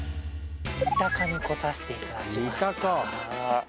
三鷹に来させていただきました。